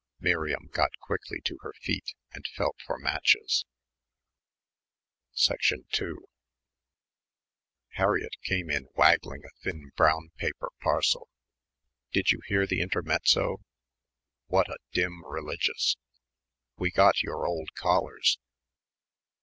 Miriam got quickly to her feet and felt for matches. 2 Harriett came in waggling a thin brown paper parcel. "Did you hear the Intermezzo? What a dim religious! We got your old collars."